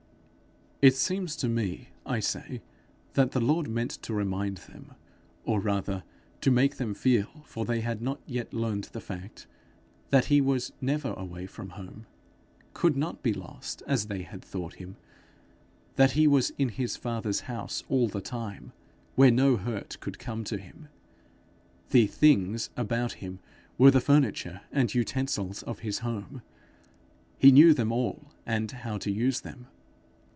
It seems to me, I say, that the Lord meant to remind them, or rather to make them feel, for they had not yet learned the fact, that he was never away from home, could not be lost, as they had thought him; that he was in his father's house all the time, where no hurt could come to him. 'The things' about him were the furniture and utensils of his home; he knew them all and how to use them.